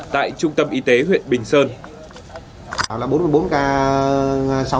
tại trung tâm y tế huyện bình sơn